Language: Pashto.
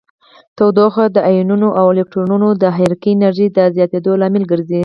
تودوخه د ایونونو او الکترونونو د حرکې انرژي د زیاتیدو لامل ګرځي.